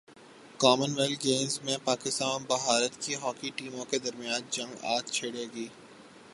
common wealth Games میں پاکستان اور بھارت کی ہاکی ٹیموں کے درمیان جنگ اج چھڑے گی